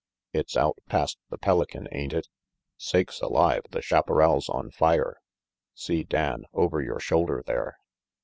"It's out past the Pelican, ain't it sakes alive! The chaparral's on fire. See, Dan, over your shoulder there."